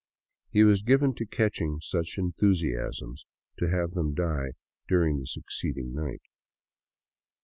He was given to catching such enthusiasms — to have them die during the succeeding night.